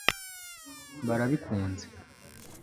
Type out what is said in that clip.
barabikunze